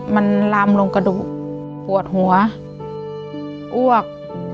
มันลำลงกระดูกปวดหัวอ้วก